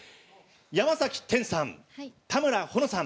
山崎天さん、田村保乃さん